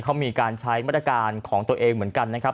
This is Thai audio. เขามีการใช้มาตรการของตัวเองเหมือนกันนะครับ